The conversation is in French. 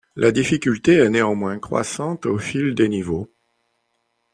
La difficulté est néanmoins croissante au fil des niveaux.